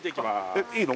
えっいいの？